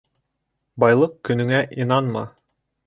Байлыҡ көнөңә инанма